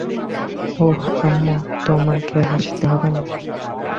ওহ আম্মু, তোমাকে আসতে হবে না।